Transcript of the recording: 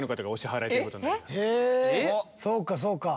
そうかそうか。